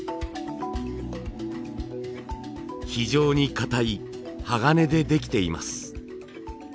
非常に硬い鋼でできています。